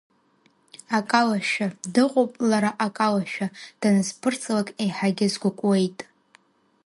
Акалашәа, дыҟоуп лара акалашәа, данысԥырҵлак, еиҳагьы сгәыкуеит…